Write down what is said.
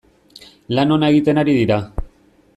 Lan ona egiten ari dira.